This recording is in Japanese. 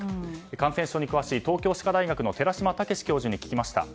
感染症に詳しい東京歯科大学の寺嶋毅教授に聞きました。